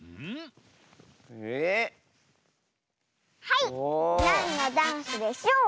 はいなんのダンスでしょう？